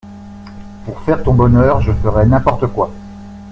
Pour faire ton bonheur, je ferais n’importe quoi.